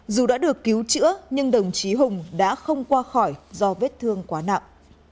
dù đã được cứu chữa nhưng đồng chí hùng đã không qua khỏi do vết thương quá nặng